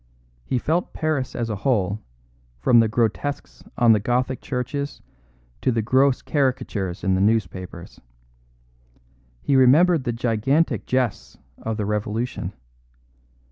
He felt Paris as a whole, from the grotesques on the Gothic churches to the gross caricatures in the newspapers. He remembered the gigantic jests of the Revolution.